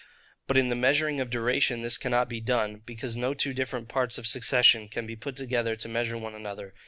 But in the measuring of duration this cannot be done, because no two different parts of succession can be put together to measure one another.